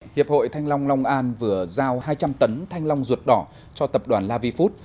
hiệp hội thanh long long an vừa giao hai trăm linh tấn thanh long ruột đỏ cho tập đoàn lavifood